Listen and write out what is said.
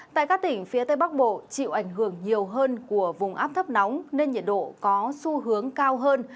tại các tỉnh phía tây bắc bộ chịu ảnh hưởng nhiều hơn của vùng áp thấp nóng nên nhiệt độ có xu hướng cao hơn